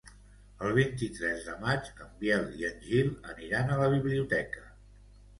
El vint-i-tres de maig en Biel i en Gil aniran a la biblioteca.